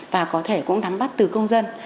và có thể cũng đắm bắt từ công dân